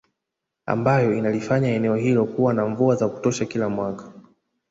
Ambayo inalifanya eneo hilo kuwa na mvua za kutosha kila mwaka